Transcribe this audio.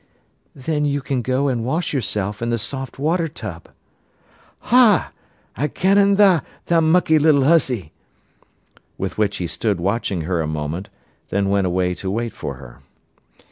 "Then you can go and wash yourself in the soft water tub." "Ha! I can' an' a', tha mucky little 'ussy." With which he stood watching her a moment, then went away to wait for her.